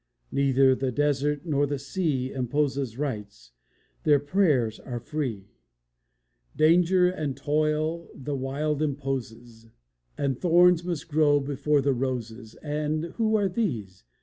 Neither the desert nor the sea Imposes rites: their prayers are free; Danger and toil the wild imposes, And thorns must grow before the roses. And who are these?